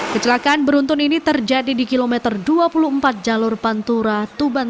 kecelakaan beruntun ini terjadi di kilometer dua puluh empat jalur pantura tuban